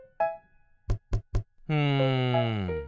うん。